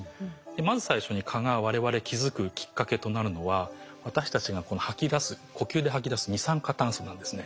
まず最初に蚊が我々気付くきっかけとなるのは私たちが吐き出す呼吸で吐き出す二酸化炭素なんですね。